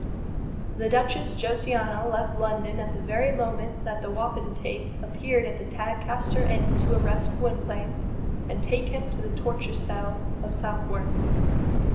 The Duchess Josiana left London at the very moment that the wapentake appeared at the Tadcaster Inn to arrest Gwynplaine and take him to the torture cell of Southwark.